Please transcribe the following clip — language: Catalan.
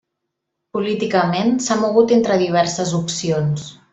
Políticament, s'ha mogut entre diverses opcions.